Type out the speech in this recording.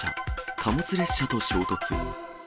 貨物列車と衝突。